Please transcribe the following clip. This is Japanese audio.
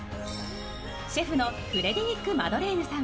シェフのフレデリック・マドレーヌさん